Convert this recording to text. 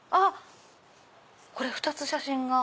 これ２つ写真が。